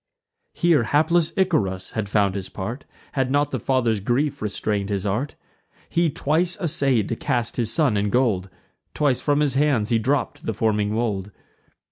Here hapless Icarus had found his part, Had not the father's grief restrain'd his art. He twice assay'd to cast his son in gold; Twice from his hands he dropp'd the forming mould.